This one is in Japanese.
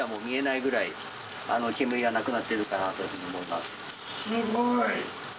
すごい。